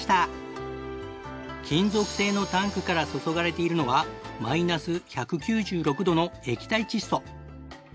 金属製のタンクから注がれているのはマイナス１９６度の液体窒素。